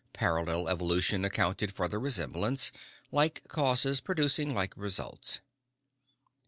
Parallel evolution accounted for the resemblance, like causes producing like results.